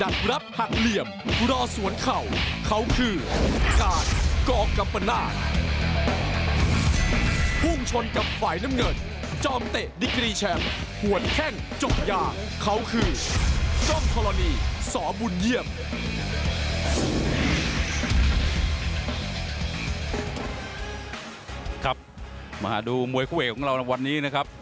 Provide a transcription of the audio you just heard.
ครับมาดูมวยเข้าเอกของเราวันนี้นะครับ